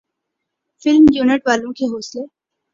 film unit والوں کے حوصلے